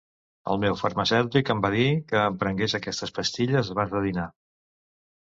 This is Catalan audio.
El meu farmacèutic em va dir que em prengués aquestes pastilles abans de dinar.